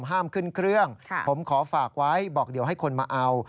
ห้ามขึ้นเครื่องผมขอฝากไว้บอกเดี๋ยวให้คนมาเอา